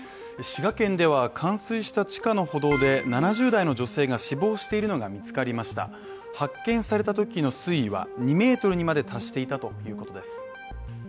滋賀県では冠水した地下の歩道で７０代の女性が死亡しているのが見つかりました発見されたときの水位は２ｍにまで達していたということです。